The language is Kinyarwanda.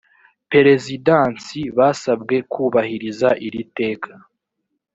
perezidansi basabwe kubahiriza iri teka